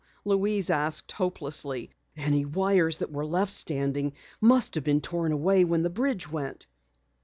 Louise asked hopelessly. "Any wires that were left standing must have been torn away when the bridge went."